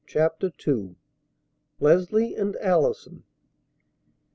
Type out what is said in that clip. CHAPTER II Leslie and Allison!